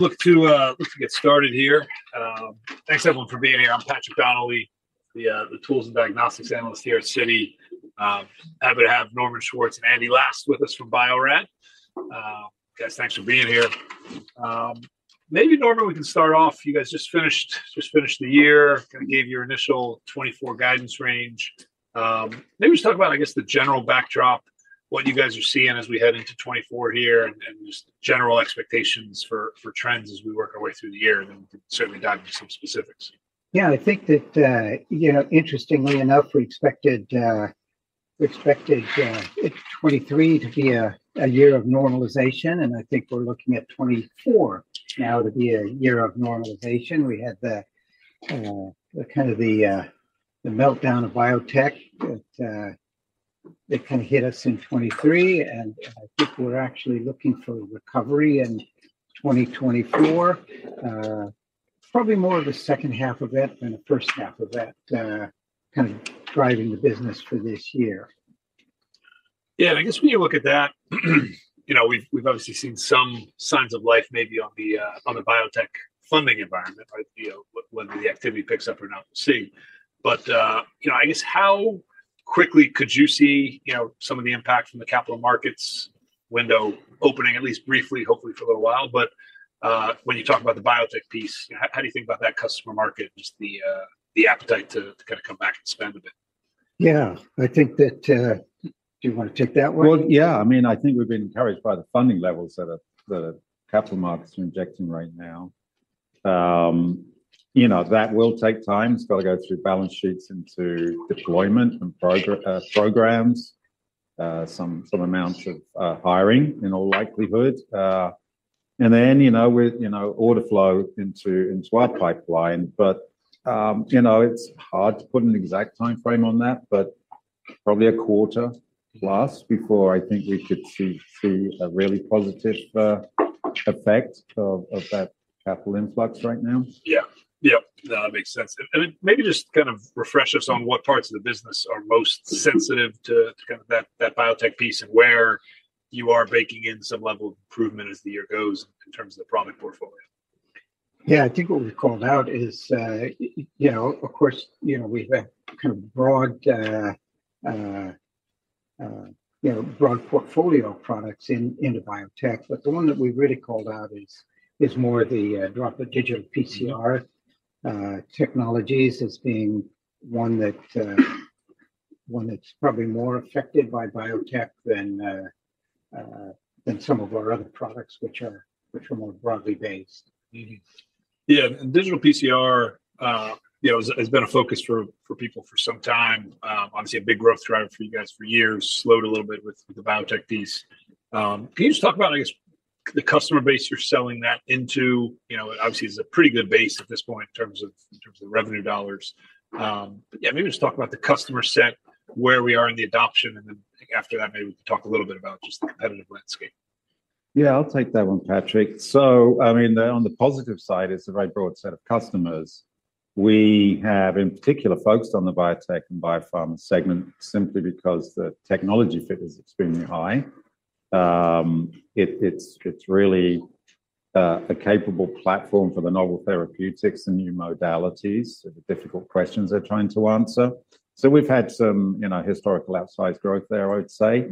Look to get started here. Thanks everyone for being here. I'm Patrick Donnelly, the tools and diagnostics analyst here at Citi. Happy to have Norman Schwartz and Andy Last with us from Bio-Rad. Guys, thanks for being here. Maybe, Norman, we can start off. You guys just finished the year, kind of gave your initial 2024 guidance range. Maybe just talk about, I guess, the general backdrop, what you guys are seeing as we head into 2024 here, and just general expectations for trends as we work our way through the year, and then we can certainly dive into some specifics. Yeah, I think that, you know, interestingly enough, we expected '23 to be a year of normalization, and I think we're looking at '24 now to be a year of normalization. We had the kind of meltdown of biotech that kind of hit us in '23, and I think we're actually looking for recovery in 2024, probably more of the second half of that than the first half of that, kind of driving the business for this year. Yeah, and I guess when you look at that, you know, we've, we've obviously seen some signs of life maybe on the, on the biotech funding environment, right, the, whether the activity picks up or not we'll see. But, you know, I guess how quickly could you see, you know, some of the impact from the capital markets window opening, at least briefly, hopefully for a little while? But, when you talk about the biotech piece, how do you think about that customer market, just the, the appetite to, to kind of come back and spend a bit? Yeah, I think that, do you wanna take that one? Well, yeah, I mean, I think we've been encouraged by the funding levels that the capital markets are injecting right now. You know, that will take time. It's gotta go through balance sheets into deployment and programs, some amounts of hiring in all likelihood. And then, you know, we're, you know, order flow into our pipeline. But, you know, it's hard to put an exact timeframe on that, but probably a quarter plus before I think we could see a really positive effect of that capital influx right now. Yeah. Yep. No, that makes sense. And maybe just kind of refresh us on what parts of the business are most sensitive to kind of that biotech piece and where you are baking in some level of improvement as the year goes on in terms of the product portfolio. Yeah, I think what we've called out is, you know, of course, you know, we've had kind of broad, you know, broad portfolio of products into biotech, but the one that we really called out is more the Droplet Digital PCR technologies as being one that's probably more affected by biotech than some of our other products which are more broadly based. Mm-hmm. Yeah, and digital PCR, you know, has been a focus for people for some time. Obviously, a big growth driver for you guys for years, slowed a little bit with the biotech piece. Can you just talk about, I guess, the customer base you're selling that into? You know, obviously, it's a pretty good base at this point in terms of revenue dollars. Yeah, maybe just talk about the customer set, where we are in the adoption, and then after that, maybe we can talk a little bit about just the competitive landscape. Yeah, I'll take that one, Patrick. So, I mean, on the positive side is a very broad set of customers. We have, in particular, focused on the biotech and biopharma segment simply because the technology fit is extremely high. It's really a capable platform for the novel therapeutics and new modalities of the difficult questions they're trying to answer. So we've had some, you know, historical outsized growth there, I would say,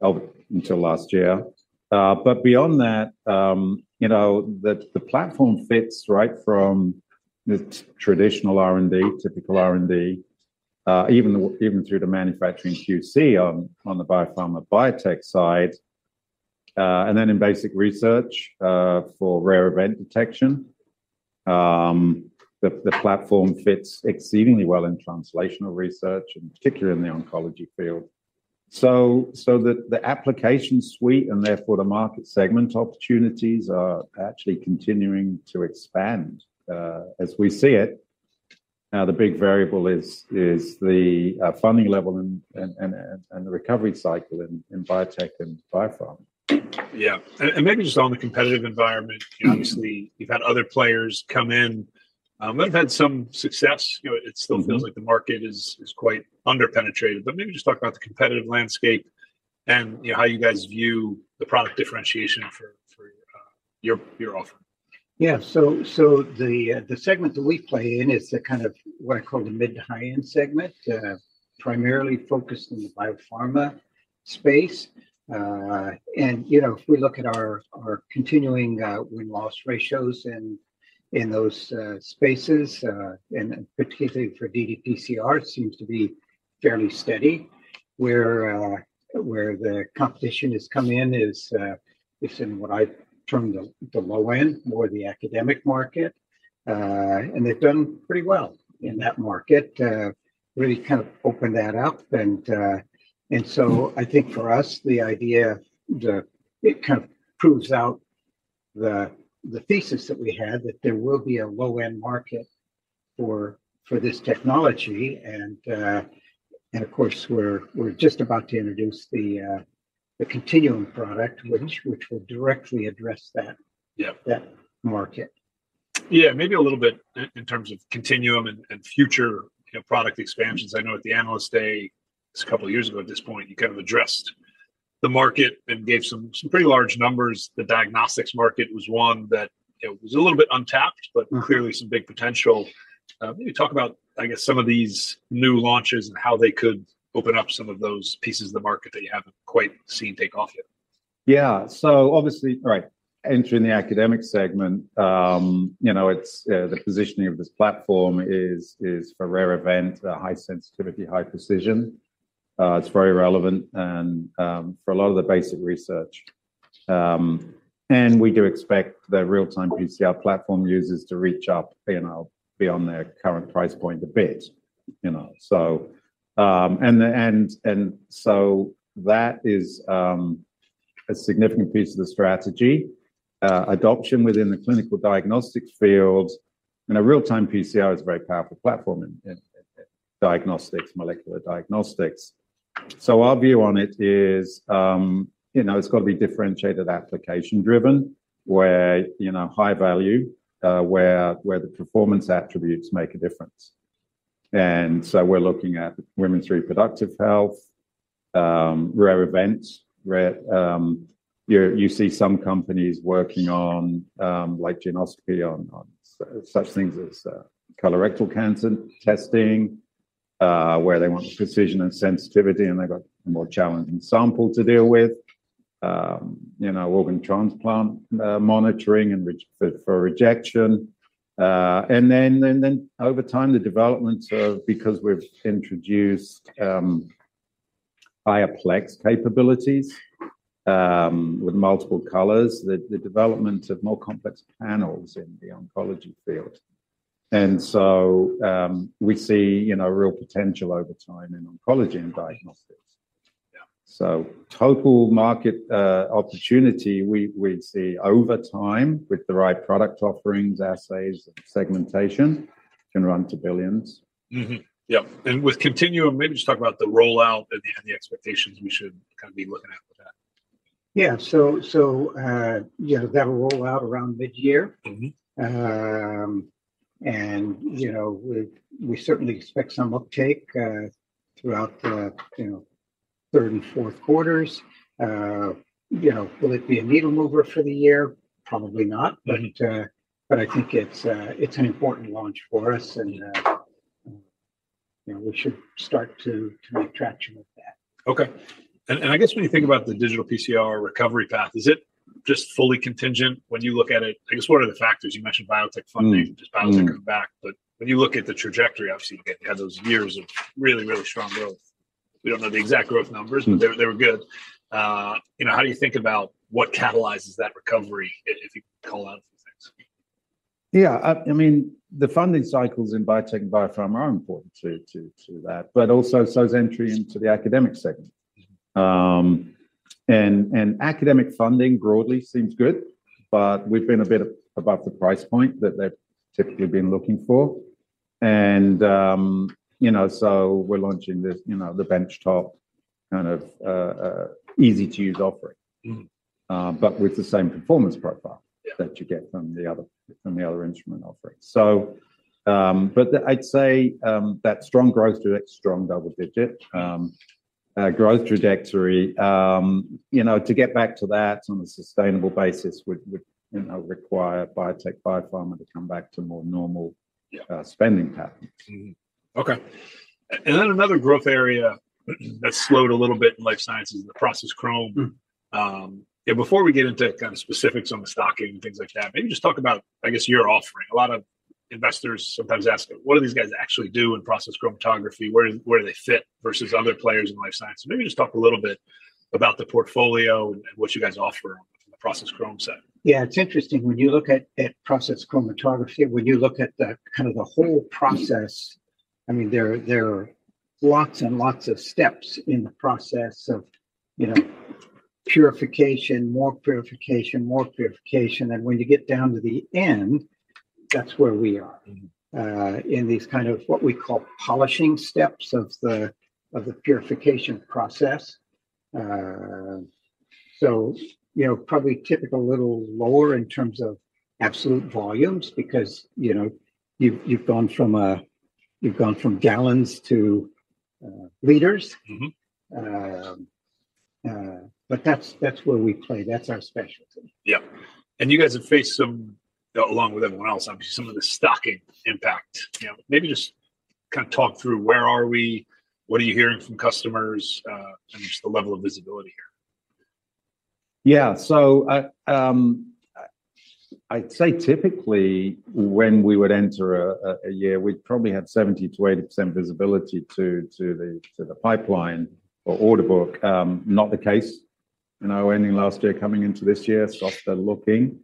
over until last year. But beyond that, you know, the platform fits right from the traditional R&D, typical R&D, even through to manufacturing QC on the biopharma biotech side, and then in basic research, for rare event detection. The platform fits exceedingly well in translational research, in particular in the oncology field. So, the application suite and therefore the market segment opportunities are actually continuing to expand, as we see it. Now, the big variable is the funding level and the recovery cycle in biotech and biopharma. Yeah. And maybe just on the competitive environment, you know, obviously, you've had other players come in that have had some success. You know, it still feels like the market is quite underpenetrated. But maybe just talk about the competitive landscape and, you know, how you guys view the product differentiation for your offer. Yeah, so the segment that we play in is the kind of what I call the mid- to high-end segment, primarily focused in the biopharma space. And, you know, if we look at our continuing win-loss ratios in those spaces, and particularly for ddPCR, it seems to be fairly steady, where the competition is coming in is in what I term the low end, more the academic market. And they've done pretty well in that market, really kind of opened that up. And so I think for us, the idea that it kind of proves out the thesis that we had, that there will be a low-end market for this technology. And of course, we're just about to introduce the Continuum product, which will directly address that. Yeah. That market. Yeah, maybe a little bit in terms of Continuum and future, you know, product expansions. I know at the Analyst Day just a couple of years ago at this point, you kind of addressed the market and gave some pretty large numbers. The diagnostics market was one that, you know, was a little bit untapped, but clearly some big potential. Maybe talk about, I guess, some of these new launches and how they could open up some of those pieces of the market that you haven't quite seen take off yet. Yeah, so obviously, all right, entering the academic segment, you know, it's the positioning of this platform is for rare event, high sensitivity, high precision. It's very relevant, and for a lot of the basic research. And we do expect the real-time PCR platform users to reach up, you know, beyond their current price point a bit, you know. So that is a significant piece of the strategy. Adoption within the Clinical Diagnostics field, you know, real-time PCR is a very powerful platform in diagnostics, Molecular Diagnostics. So our view on it is, you know, it's gotta be differentiated application-driven, where, you know, high value, where the performance attributes make a difference. And so we're looking at women's reproductive health, rare events, rarely you see some companies working on, like Geneoscopy on such things as colorectal cancer testing, where they want the precision and sensitivity, and they've got a more challenging sample to deal with. You know, organ transplant monitoring for rejection. And then over time, the development of, because we've introduced BioPlex capabilities with multiple colors, the development of more complex panels in the oncology field. And so we see, you know, real potential over time in oncology and diagnostics. Yeah. Total market opportunity, we see over time with the right product offerings, assays, and segmentation can run to billions. Mm-hmm. Yep. And with Continuum, maybe just talk about the rollout and the expectations we should kind of be looking at with that. Yeah, so you know, they'll roll out around mid-year. Mm-hmm. You know, we certainly expect some uptake throughout, you know, third and fourth quarters. You know, will it be a needle mover for the year? Probably not. But I think it's an important launch for us, and, you know, we should start to make traction with that. Okay. And I guess when you think about the digital PCR recovery path, is it just fully contingent? When you look at it, I guess what are the factors? You mentioned biotech funding, just biotech coming back. But when you look at the trajectory, obviously, you had those years of really, really strong growth. We don't know the exact growth numbers, but they were good. You know, how do you think about what catalyzes that recovery, if you could call out a few things? Yeah, I mean, the funding cycles in biotech and biopharma are important to that, but also Sartorius's entry into the academic segment. And academic funding broadly seems good, but we've been a bit above the price point that they've typically been looking for. And, you know, so we're launching the, you know, the benchtop kind of, easy-to-use offering. Mm-hmm. but with the same performance profile. Yeah. That you get from the other instrument offering. So, but I'd say, that strong double-digit growth trajectory, you know, to get back to that on a sustainable basis would, you know, require biotech, biopharma to come back to more normal. Yeah. spending patterns. Mm-hmm. Okay. And then another growth area that's slowed a little bit in life sciences is the process chromatography. Yeah, before we get into kind of specifics on the stocking and things like that, maybe just talk about, I guess, your offering. A lot of investors sometimes ask it, what do these guys actually do in process chromatography? Where do they fit versus other players in life sciences? Maybe just talk a little bit about the portfolio and what you guys offer on the process chromatography side. Yeah, it's interesting. When you look at process chromatography, when you look at the kind of the whole process, I mean, there are lots and lots of steps in the process of, you know, purification, more purification, more purification. And when you get down to the end, that's where we are. Mm-hmm. In these kind of what we call polishing steps of the purification process. So, you know, probably typical little lower in terms of absolute volumes because, you know, you've gone from gallons to liters. Mm-hmm. but that's, that's where we play. That's our specialty. Yep. And you guys have faced some, along with everyone else, obviously, some of the stocking impact. You know, maybe just kind of talk through where are we? What are you hearing from customers, and just the level of visibility here? Yeah, so, I'd say typically, when we would enter a year, we'd probably have 70%-80% visibility to the pipeline or order book. Not the case, you know, ending last year, coming into this year, softer looking.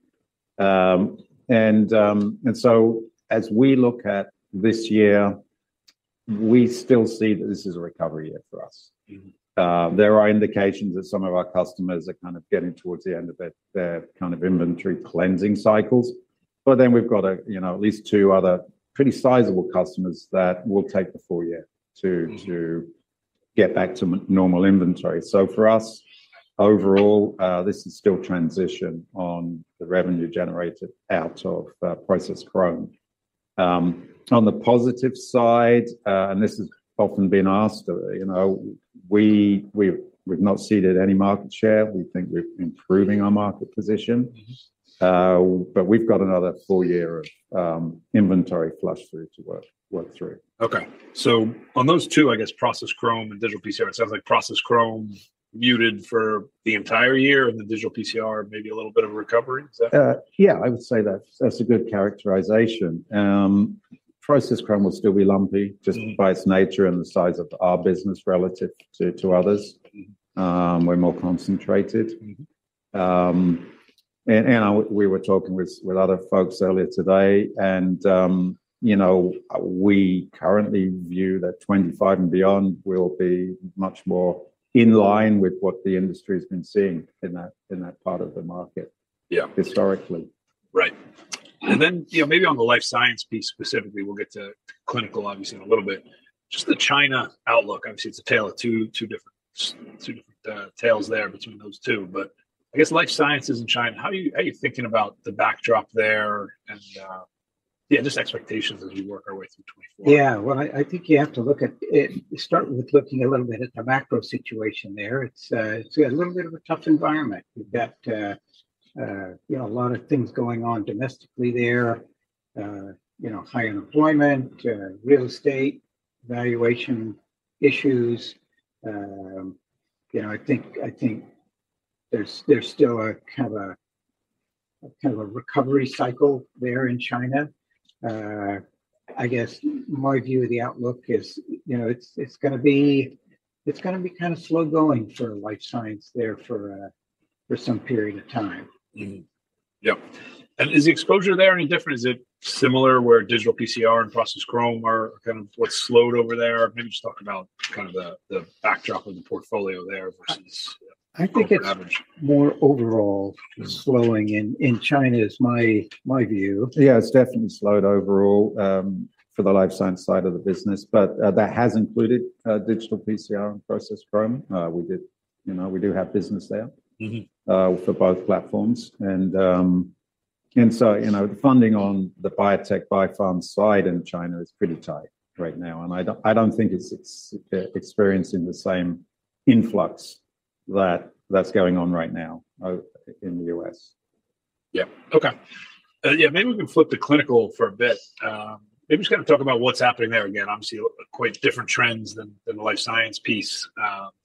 And so as we look at this year, we still see that this is a recovery year for us. Mm-hmm. There are indications that some of our customers are kind of getting towards the end of their kind of inventory cleansing cycles. But then we've got, you know, at least two other pretty sizable customers that will take the full year to. Mm-hmm. Get back to normal inventory. So for us, overall, this is still transition on the revenue generated out of process chromatography. On the positive side, and this has often been asked, you know, we, we've not ceded any market share. We think we're improving our market position. Mm-hmm. But we've got another full year of inventory flush through to work through. Okay. So on those two, I guess, process chromatography and digital PCR, it sounds like process chromatography muted for the entire year and the digital PCR maybe a little bit of a recovery. Is that? Yeah, I would say that's, that's a good characterization. Process chromatography will still be lumpy just by its nature and the size of our business relative to, to others. Mm-hmm. We're more concentrated. Mm-hmm. We were talking with other folks earlier today, and, you know, we currently view that 25 and beyond will be much more in line with what the industry's been seeing in that part of the market. Yeah. Historically. Right. And then, you know, maybe on the life science piece specifically, we'll get to clinical, obviously, in a little bit. Just the China outlook, obviously, it's a tale of two different tales there between those two. But I guess life sciences in China, how are you thinking about the backdrop there and, yeah, just expectations as we work our way through 2024? Yeah, well, I think you have to look at it start with looking a little bit at the macro situation there. It's a little bit of a tough environment. You've got, you know, a lot of things going on domestically there, you know, high unemployment, real estate valuation issues. You know, I think there's still a kind of a recovery cycle there in China. I guess my view of the outlook is, you know, it's gonna be kind of slow-going for Life Science there for some period of time. Mm-hmm. Yep. And is the exposure there any different? Is it similar where digital PCR and process chromatography are kind of what's slowed over there? Maybe just talk about kind of the, the backdrop of the portfolio there versus. I think it's more overall slowing in China is my view. Yeah, it's definitely slowed overall for the life science side of the business. But that has included digital PCR and process chromatography. We did, you know, we do have business there. Mm-hmm. for both platforms. And so, you know, the funding on the biotech, biopharma side in China is pretty tight right now. And I don't think it's experiencing the same influx that's going on right now, in the U.S. Yep. Okay. Yeah, maybe we can flip to clinical for a bit. Maybe just kind of talk about what's happening there again. Obviously, quite different trends than the life science piece.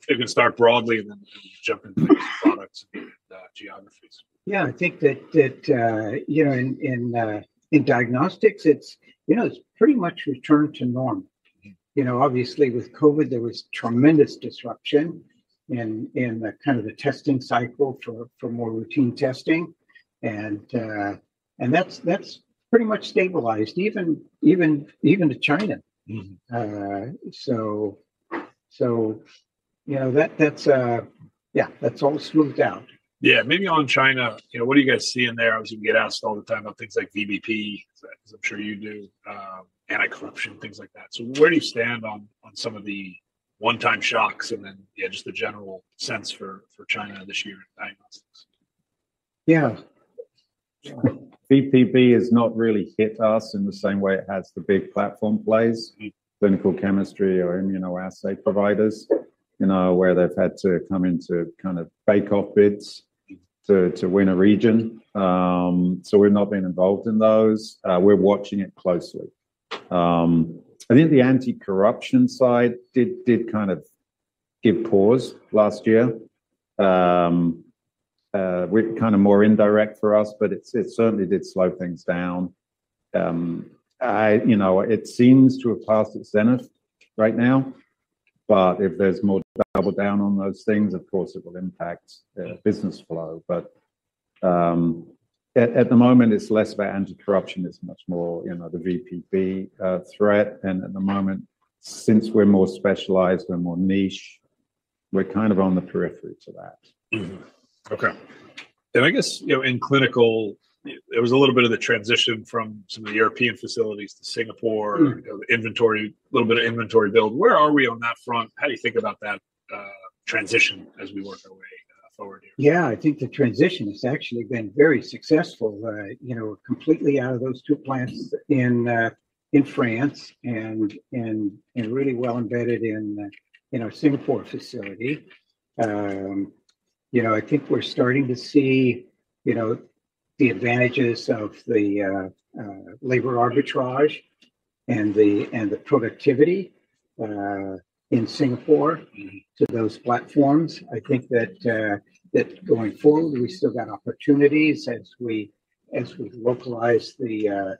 If you can start broadly and then jump into products and geographies. Yeah, I think that you know, in diagnostics, it's you know, it's pretty much returned to normal. Mm-hmm. You know, obviously, with COVID, there was tremendous disruption in the kind of the testing cycle for more routine testing. And that's pretty much stabilized, even to China. Mm-hmm. So, you know, that's all smoothed out. Yeah, maybe on China, you know, what do you guys see in there? Obviously, we get asked all the time about things like VBP, as I'm sure you do, anticorruption, things like that. So where do you stand on, on some of the one-time shocks and then, yeah, just the general sense for, for China this year in diagnostics? Yeah. VBP has not really hit us in the same way it has the big platform plays. Mm-hmm. Clinical chemistry or immunoassay providers, you know, where they've had to come into kind of bake-off bids to win a region. So we've not been involved in those. We're watching it closely. I think the anticorruption side did kind of give pause last year. We're kind of more indirect for us, but it's certainly did slow things down. I, you know, it seems to have passed its zenith right now. But if there's more double down on those things, of course, it will impact business flow. But at the moment, it's less about anticorruption. It's much more, you know, the VBP threat. And at the moment, since we're more specialized, we're more niche, we're kind of on the periphery to that. Mm-hmm. Okay. And I guess, you know, in clinical, there was a little bit of the transition from some of the European facilities to Singapore. Mm-hmm. You know, inventory, little bit of inventory build. Where are we on that front? How do you think about that, transition as we work our way, forward here? Yeah, I think the transition has actually been very successful, you know, completely out of those two plants in France and really well embedded in our Singapore facility, you know. I think we're starting to see, you know, the advantages of the labor arbitrage and the productivity in Singapore. Mm-hmm. To those platforms. I think that going forward, we still got opportunities as we localize the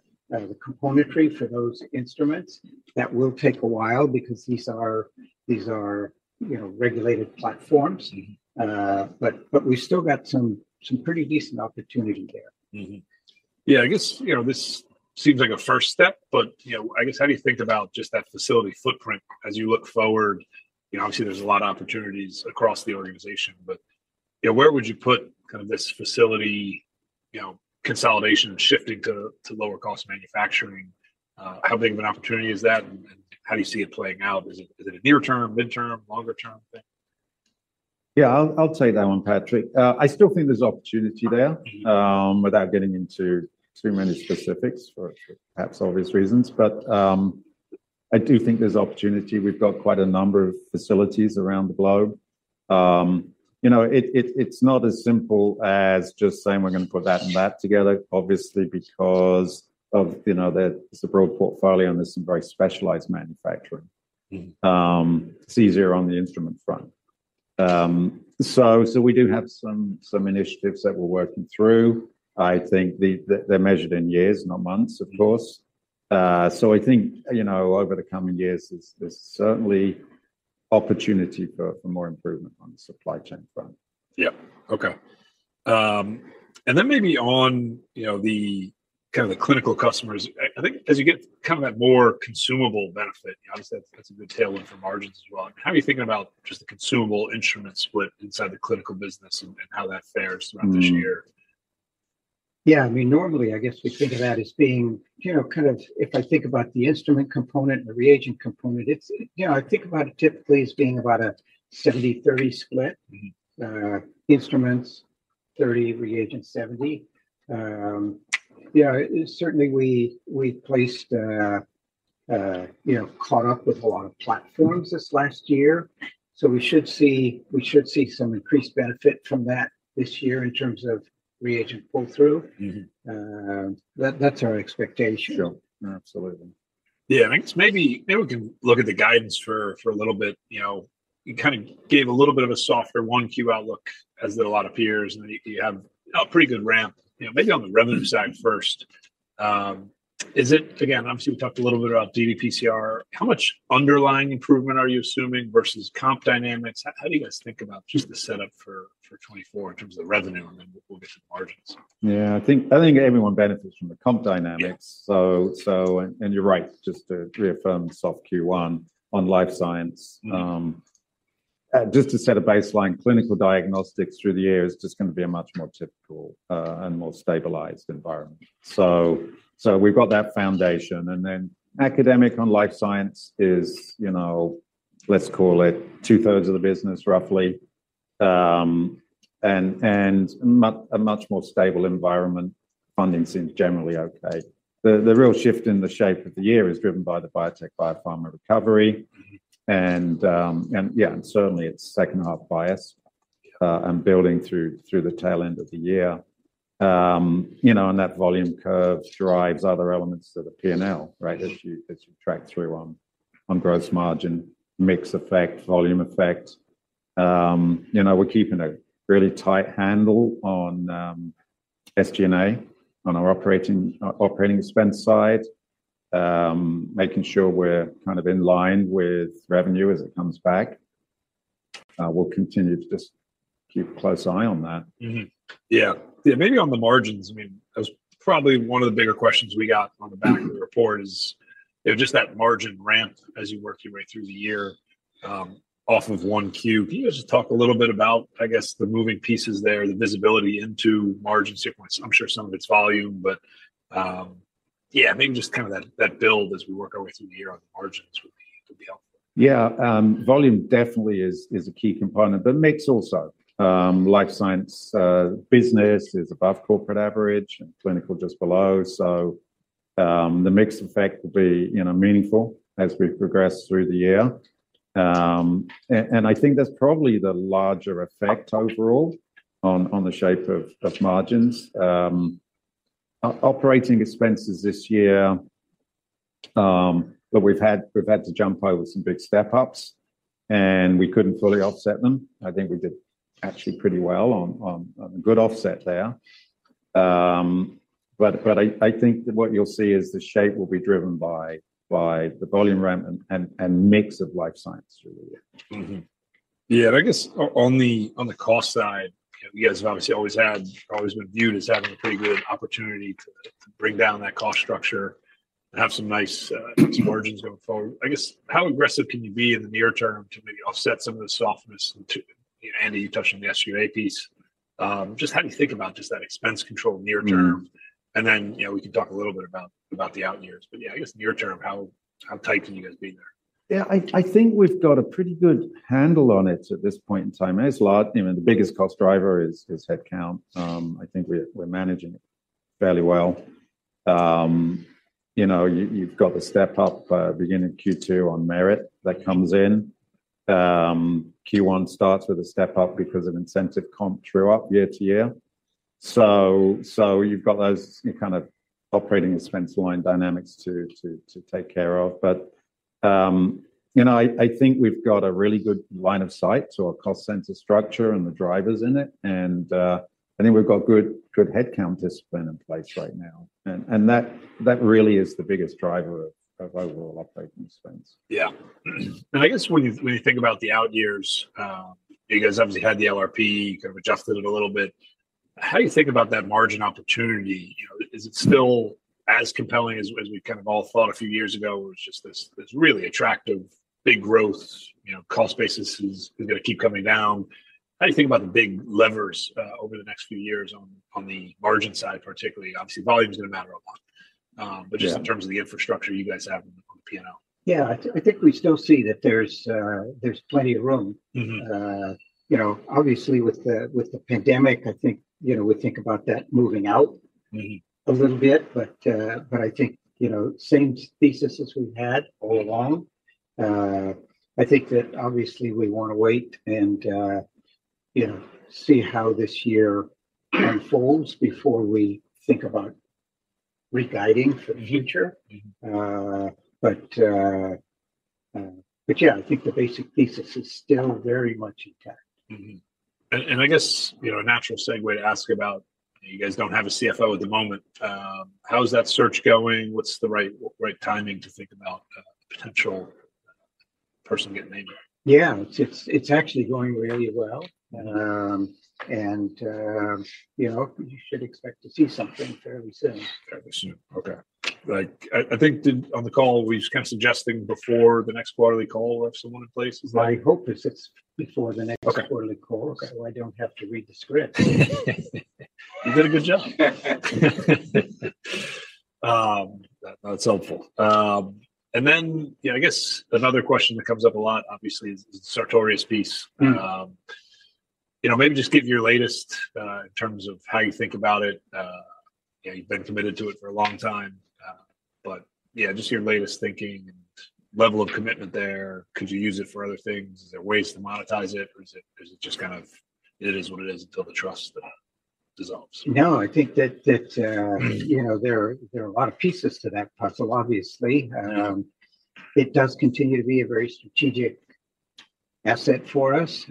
componentry for those instruments. That will take a while because these are, you know, regulated platforms. Mm-hmm. but we've still got some pretty decent opportunity there. Mm-hmm. Yeah, I guess, you know, this seems like a first step. But, you know, I guess, how do you think about just that facility footprint as you look forward? You know, obviously, there's a lot of opportunities across the organization. But, you know, where would you put kind of this facility, you know, consolidation and shifting to lower-cost manufacturing? How big of an opportunity is that, and how do you see it playing out? Is it a near-term, mid-term, longer-term thing? Yeah, I'll take that one, Patrick. I still think there's opportunity there. Mm-hmm. Without getting into too many specifics for perhaps obvious reasons. But, I do think there's opportunity. We've got quite a number of facilities around the globe. You know, it, it's not as simple as just saying, "We're gonna put that and that together," obviously, because of, you know, there's a broad portfolio and there's some very specialized manufacturing. Mm-hmm. It's easier on the instrument front. So we do have some initiatives that we're working through. I think they're measured in years, not months, of course. Mm-hmm. I think, you know, over the coming years, there's certainly opportunity for more improvement on the supply chain front. Yep. Okay. Then maybe on, you know, the kind of the clinical customers, I think as you get kind of that more consumable benefit, you know, obviously, that's, that's a good tailwind for margins as well. How are you thinking about just the consumable instrument split inside the clinical business and, and how that fares throughout this year? Yeah, I mean, normally, I guess we think of that as being, you know, kind of if I think about the instrument component and the reagent component, it's, you know, I think about it typically as being about a 70/30 split. Mm-hmm. instruments, 30, reagents, 70. You know, certainly, we've placed, you know, caught up with a lot of platforms this last year. So we should see some increased benefit from that this year in terms of reagent pull-through. Mm-hmm. that, that's our expectation. Sure. Absolutely. Yeah, I guess maybe maybe we can look at the guidance for, for a little bit. You know, you kind of gave a little bit of a softer Q1 outlook as did a lot of peers. And then you, you have a pretty good ramp, you know, maybe on the revenue side first. Is it again, obviously, we talked a little bit about ddPCR. How much underlying improvement are you assuming versus comp dynamics? How, how do you guys think about just the setup for, for 2024 in terms of the revenue? And then we'll, we'll get to the margins. Yeah, I think everyone benefits from the comp dynamics. So, and you're right, just to reaffirm soft Q1 on Life Science. Mm-hmm. Just to set a baseline, Clinical Diagnostics through the year is just gonna be a much more typical and more stabilized environment. So we've got that foundation. And then academic on Life Science is, you know, let's call it two-thirds of the business, roughly, and a much more stable environment. Funding seems generally okay. The real shift in the shape of the year is driven by the biotech, biopharma recovery. Mm-hmm. And yeah, and certainly, it's second-half bias, and building through the tail end of the year. You know, and that volume curve drives other elements to the P&L, right, as you track through on gross margin, mix effect, volume effect. You know, we're keeping a really tight handle on SG&A, on our operating expense side, making sure we're kind of in line with revenue as it comes back. We'll continue to just keep a close eye on that. Yeah. Yeah, maybe on the margins, I mean, that was probably one of the bigger questions we got on the back of the report is, you know, just that margin ramp as you're working right through the year, off of 1Q. Can you guys just talk a little bit about, I guess, the moving pieces there, the visibility into margin sequence? I'm sure some of it's volume, but, yeah, maybe just kind of that build as we work our way through the year on the margins would be helpful. Yeah, volume definitely is a key component. But mix also. Life Science business is above corporate average and Clinical just below. So, the mix effect will be, you know, meaningful as we progress through the year. And I think that's probably the larger effect overall on the shape of margins. Operating expenses this year, but we've had to jump over some big step-ups, and we couldn't fully offset them. I think we did actually pretty well on a good offset there. But I think that what you'll see is the shape will be driven by the volume ramp and mix of Life Science through the year. Mm-hmm. Yeah, and I guess on the cost side, you know, you guys have obviously always been viewed as having a pretty good opportunity to bring down that cost structure and have some nice margins going forward. I guess, how aggressive can you be in the near term to maybe offset some of the softness and, you know, Andy, you touched on the SG&A piece. Just how do you think about just that expense control near term? And then, you know, we can talk a little bit about the out years. But yeah, I guess near term, how tight can you guys be there? Yeah, I, I think we've got a pretty good handle on it at this point in time. It's a lot you know, the biggest cost driver is, is headcount. I think we're, we're managing it fairly well. You know, you-you've got the step-up, beginning Q2 on merit that comes in. Q1 starts with a step-up because of incentive comp true up year to year. So, so you've got those you kind of operating expense line dynamics to, to, to take care of. But, you know, I, I think we've got a really good line of sight to our cost center structure and the drivers in it. And, I think we've got good, good headcount discipline in place right now. And, and that, that really is the biggest driver of, of overall operating expense. Yeah. I guess when you think about the out years, you guys obviously had the LRP, kind of adjusted it a little bit. How do you think about that margin opportunity? You know, is it still as compelling as we kind of all thought a few years ago? It was just this really attractive big growth. You know, cost basis is gonna keep coming down. How do you think about the big levers over the next few years on the margin side, particularly? Obviously, volume's gonna matter a lot, but just in terms of the infrastructure you guys have on the P&L. Yeah, I think we still see that there's plenty of room. Mm-hmm. You know, obviously, with the pandemic, I think, you know, we think about that moving out. Mm-hmm. A little bit. But I think, you know, same thesis as we've had all along. I think that, obviously, we wanna wait and, you know, see how this year unfolds before we think about re-guiding for the future. Mm-hmm. Yeah, I think the basic thesis is still very much intact. Mm-hmm. And, I guess, you know, a natural segue to ask about, you guys don't have a CFO at the moment. How's that search going? What's the right, right timing to think about, a potential, person getting named? Yeah, it's actually going really well. You know, you should expect to see something fairly soon. Fairly soon. Okay. Like, I think did on the call, were you just kind of suggesting before the next quarterly call we'll have someone in place? Was that? My hope is it's before the next quarterly call. Okay. So I don't have to read the script. You did a good job. That, that's helpful. And then, yeah, I guess another question that comes up a lot, obviously, is the Sartorius piece. You know, maybe just give your latest, in terms of how you think about it. You know, you've been committed to it for a long time. But yeah, just your latest thinking and level of commitment there. Could you use it for other things? Is there ways to monetize it, or is it just kind of it is what it is until the trust dissolves? No, I think that, you know, there are a lot of pieces to that puzzle, obviously. It does continue to be a very strategic asset for us.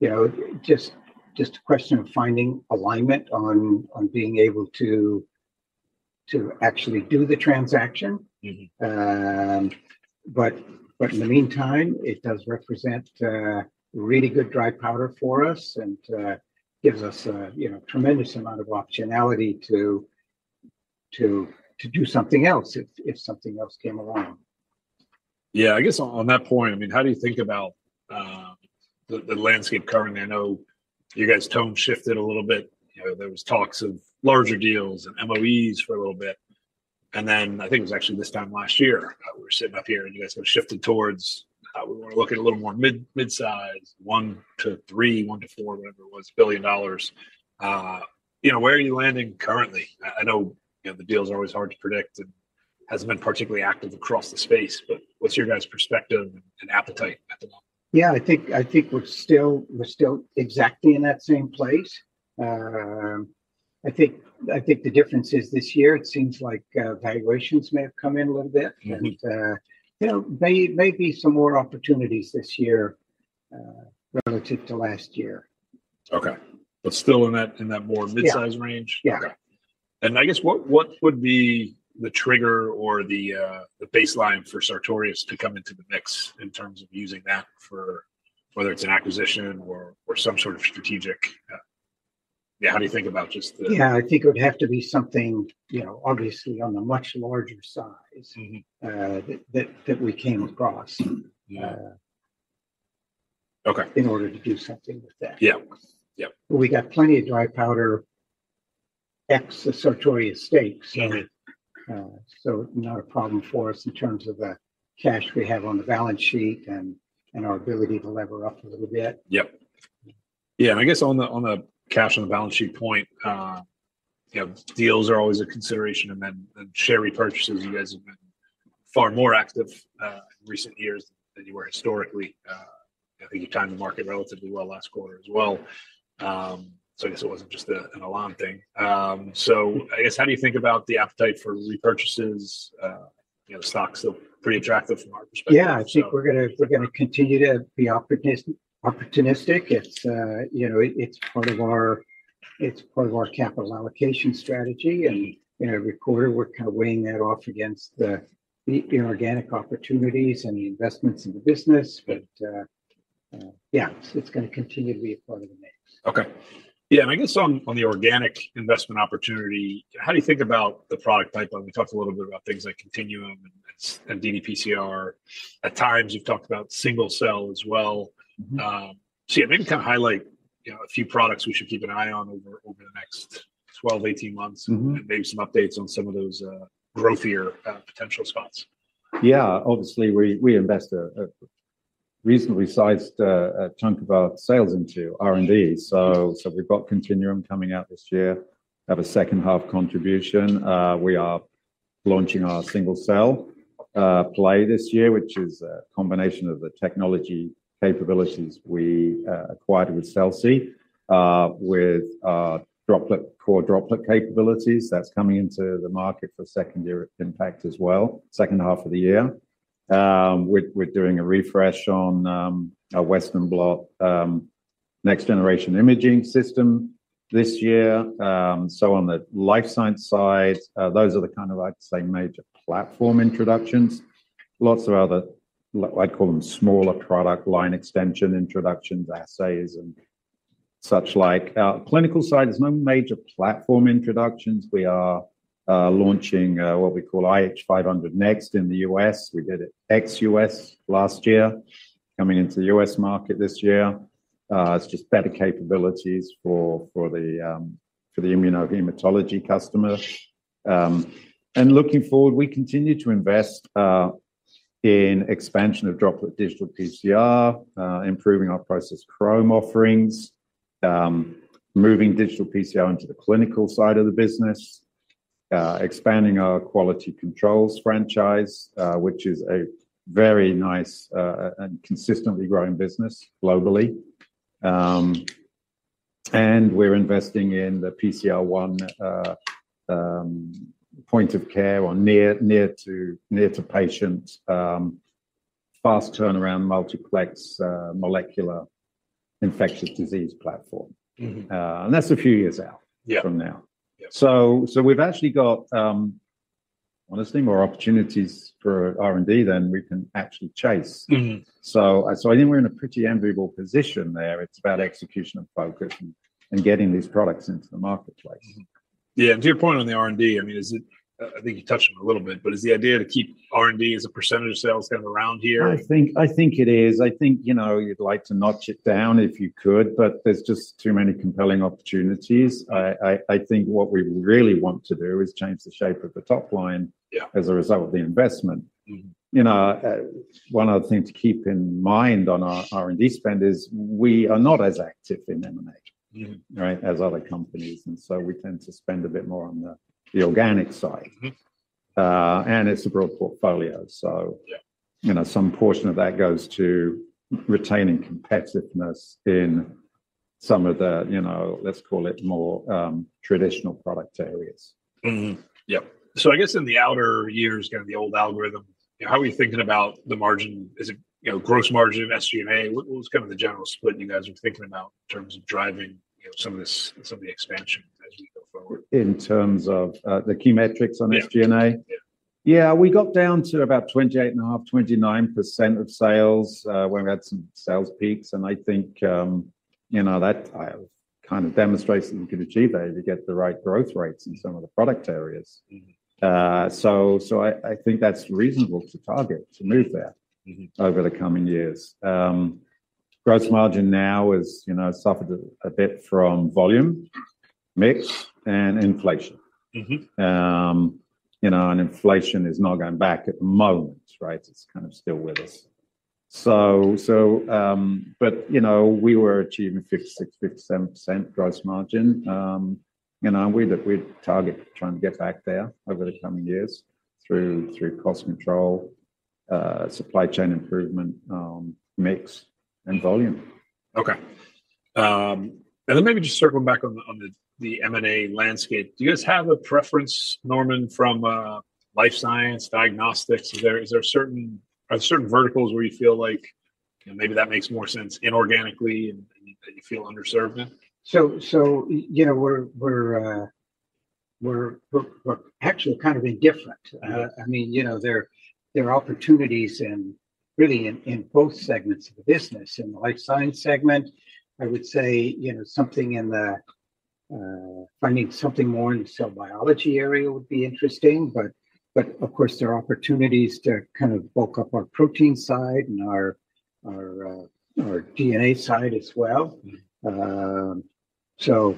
You know, just a question of finding alignment on being able to actually do the transaction. Mm-hmm. But in the meantime, it does represent really good dry powder for us and gives us a, you know, tremendous amount of optionality to do something else if something else came along. Yeah, I guess on that point, I mean, how do you think about the landscape currently? I know you guys' tone shifted a little bit. You know, there was talks of larger deals and MOEs for a little bit. And then I think it was actually this time last year, we were sitting up here, and you guys kind of shifted towards, we wanna look at a little more midsize, $1 billion-$3 billion, $1 billion-$4 billion, whatever it was. You know, where are you landing currently? I know, you know, the deal's always hard to predict and hasn't been particularly active across the space. But what's your guys' perspective and appetite at the moment? Yeah, I think we're still exactly in that same place. I think the difference is this year, it seems like, valuations may have come in a little bit. Mm-hmm. You know, there may be some more opportunities this year, relative to last year. Okay. But still in that more midsize range? Yeah. Okay. And I guess what, what would be the trigger or the, the baseline for Sartorius to come into the mix in terms of using that for whether it's an acquisition or, or some sort of strategic, yeah, how do you think about just the? Yeah, I think it would have to be something, you know, obviously, on the much larger size. Mm-hmm. that we came across. Yeah. Okay. In order to do something with that. Yeah. Yep. But we got plenty of dry powder ex the Sartorius stake. Mm-hmm. So, not a problem for us in terms of the cash we have on the balance sheet and our ability to lever up a little bit. Yep. Yeah, and I guess on the on the cash on the balance sheet point, you know, deals are always a consideration. And then, then share repurchases, you guys have been far more active, in recent years than, than you were historically. I think you timed the market relatively well last quarter as well. So I guess it wasn't just a an alarm thing. So I guess how do you think about the appetite for repurchases? You know, the stock's still pretty attractive from our perspective. Yeah, I think we're gonna continue to be opportunistic. It's, you know, it's part of our capital allocation strategy. And, you know, every quarter, we're kind of weighing that off against the, you know, organic opportunities and the investments in the business. But, yeah, it's gonna continue to be a part of the mix. Okay. Yeah, and I guess on, on the organic investment opportunity, how do you think about the product pipeline? We talked a little bit about things like Continuum and, and ddPCR. At times, you've talked about Single Cell as well. Mm-hmm. Yeah, maybe kind of highlight, you know, a few products we should keep an eye on over the next 12-18 months. Mm-hmm. Maybe some updates on some of those growthier potential spots. Yeah, obviously, we invest a reasonably sized chunk of our sales into R&D. So we've got Continuum coming out this year, have a second-half contribution. We are launching our Single Cell play this year, which is a combination of the technology capabilities we acquired with Celsee, with droplet core droplet capabilities. That's coming into the market for second-year impact as well, second half of the year. We're doing a refresh on our Western blot next-generation imaging system this year. So on the Life Science side, those are the kind of, I'd say, major platform introductions. Lots of other, I'd call them smaller product line extension introductions, assays, and such like. Our clinical side has no major platform introductions. We are launching what we call IH-500 NEXT in the U.S. We did it ex-US last year, coming into the U.S. market this year. It's just better capabilities for the immunohematology customer. Looking forward, we continue to invest in expansion of Droplet Digital PCR, improving our process chromatography offerings, moving digital PCR into the clinical side of the business, expanding our quality controls franchise, which is a very nice and consistently growing business globally. We're investing in the PCR|ONE, point-of-care or near-to-patient, fast turnaround multiplex molecular infectious disease platform. Mm-hmm. and that's a few years out. Yeah. From now. Yeah. So, we've actually got, honestly, more opportunities for R&D than we can actually chase. Mm-hmm. So, so I think we're in a pretty amenable position there. It's about execution and focus and, and getting these products into the marketplace. Mm-hmm. Yeah, and to your point on the R&D, I mean, is it I think you touched on it a little bit, but is the idea to keep R&D as a percentage of sales kind of around here? I think it is. I think, you know, you'd like to notch it down if you could, but there's just too many compelling opportunities. I think what we really want to do is change the shape of the top line. Yeah. As a result of the investment. Mm-hmm. You know, one other thing to keep in mind on our R&D spend is we are not as active in M&A. Mm-hmm. Right, as other companies. And so we tend to spend a bit more on the organic side. Mm-hmm. It's a broad portfolio, so. Yeah. You know, some portion of that goes to retaining competitiveness in some of the, you know, let's call it more, traditional product areas. Mm-hmm. Yep. So I guess in the outer years, kind of the old algorithm, you know, how are we thinking about the margin? Is it, you know, gross margin of SG&A? What was kind of the general split you guys were thinking about in terms of driving, you know, some of the expansion as we go forward? In terms of the key metrics on SG&A? Yeah. Yeah, we got down to about 28.5, 29% of sales, when we had some sales peaks. And I think, you know, that, kind of demonstrates that we could achieve that if you get the right growth rates in some of the product areas. Mm-hmm. I think that's reasonable to target, to move there. Mm-hmm. Over the coming years, gross margin now has, you know, suffered a bit from volume mix and inflation. Mm-hmm. You know, and inflation is not going back at the moment, right? It's kind of still with us. So, you know, we were achieving 56%-57% gross margin. You know, and we'd target trying to get back there over the coming years through cost control, supply chain improvement, mix, and volume. Okay. Then maybe just circling back on the M&A landscape, do you guys have a preference, Norman, from Life Science, Diagnostics? Are there certain verticals where you feel like, you know, maybe that makes more sense inorganically and that you feel underserved in? So, you know, we're actually kind of indifferent. I mean, you know, there are opportunities really in both segments of the business. In the life science segment, I would say, you know, finding something more in the cell biology area would be interesting. But of course, there are opportunities to kind of bulk up our protein side and our DNA side as well. Mm-hmm. So,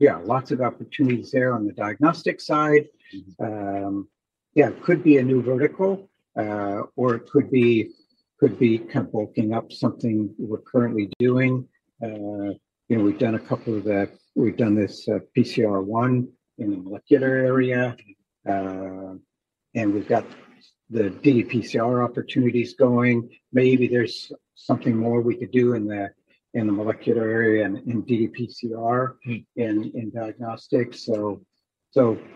yeah, lots of opportunities there on the diagnostic side. Mm-hmm. Yeah, it could be a new vertical, or it could be kind of bulking up something we're currently doing. You know, we've done a couple of these. We've done this, PCR-one in the molecular area. Mm-hmm. and we've got the ddPCR opportunities going. Maybe there's something more we could do in the molecular area and ddPCR. Mm-hmm. In diagnostics. So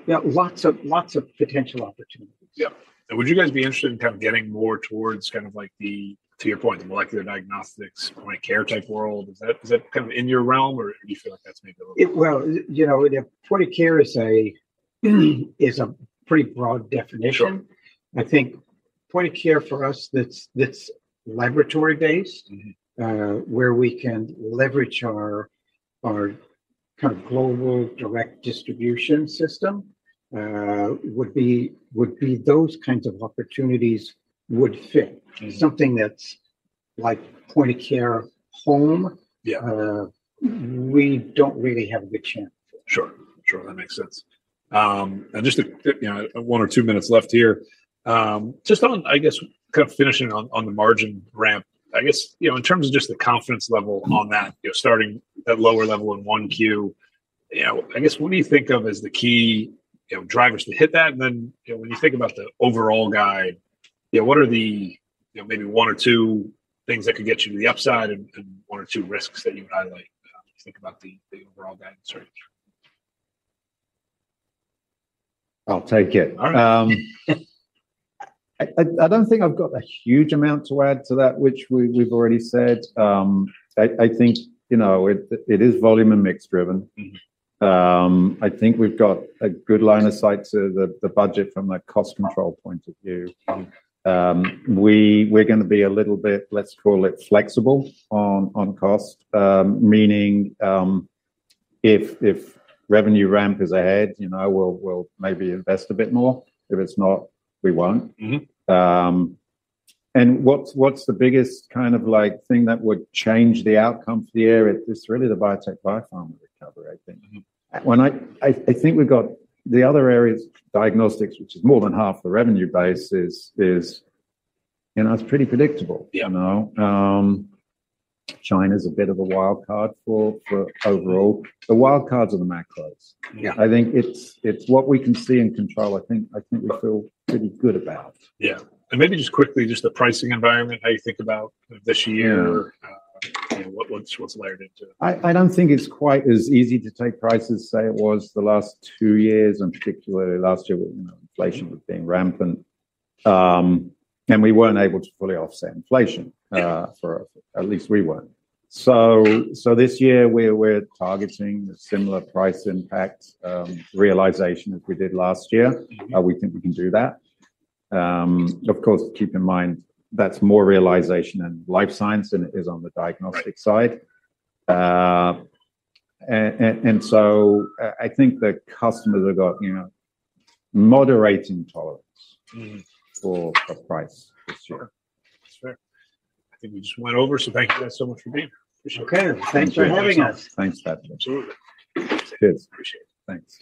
yeah, lots of potential opportunities. Yep. And would you guys be interested in kind of getting more towards kind of like the to your point, the molecular diagnostics point of care type world? Is that kind of in your realm, or do you feel like that's maybe a little bit? Well, you know, the point of care is a pretty broad definition. Sure. I think point of care for us that's laboratory-based. Mm-hmm. where we can leverage our kind of global direct distribution system, would be those kinds of opportunities would fit. Mm-hmm. Something that's like point of care home. Yeah. We don't really have a good chance for. Sure. Sure. That makes sense. And just at, you know, one or two minutes left here. Just on, I guess, kind of finishing on, on the margin ramp, I guess, you know, in terms of just the confidence level on that, you know, starting at lower level in 1Q, you know, I guess, what do you think of as the key, you know, drivers to hit that? And then, you know, when you think about the overall guide, you know, what are the, you know, maybe one or two things that could get you to the upside and, and one or two risks that you would highlight, when you think about the, the overall guidance range? I'll take it. All right. I don't think I've got a huge amount to add to that, which we've already said. I think, you know, it is volume and mix driven. Mm-hmm. I think we've got a good line of sight to the budget from a cost control point of view. Mm-hmm. We're gonna be a little bit, let's call it, flexible on cost, meaning, if revenue ramp is ahead, you know, we'll maybe invest a bit more. If it's not, we won't. Mm-hmm. What's the biggest kind of, like, thing that would change the outcome for the year? It's really the biotech biopharma recovery, I think. Mm-hmm. When I think we've got the other areas, diagnostics, which is more than half the revenue base, is, you know, it's pretty predictable. Yeah. You know, China's a bit of a wild card for overall. The wild cards are the macros. Yeah. I think it's what we can see and control. I think we feel pretty good about. Yeah. And maybe just quickly, just the pricing environment, how you think about this year? Mm-hmm. you know, what's layered into it? I don't think it's quite as easy to take prices in the last two years, and particularly last year, you know, inflation was being rampant. We weren't able to fully offset inflation; at least we weren't. So this year, we're targeting a similar price impact realization as we did last year. Mm-hmm. We think we can do that. Of course, keep in mind that's more realization in Life Science than it is on the diagnostics side. Right. And so I think the customers have got, you know, moderate intolerance. Mm-hmm. For price this year. Okay. That's fair. I think we just went over. Thank you guys so much for being here. Appreciate it. Okay. Thanks for having us. Thanks, Patrick. Absolutely. Cheers. Appreciate it. Thanks.